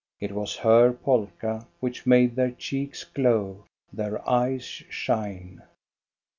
It was her polka which made their cheeks glow, their eyes shine.